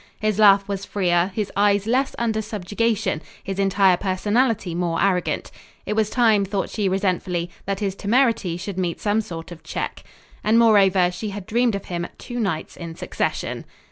His laugh was freer, his eyes less under subjugation, his entire personality more arrogant. It was time, thought she resentfully, that his temerity should meet some sort of check. And, moreover, she had dreamed of him two nights in succession.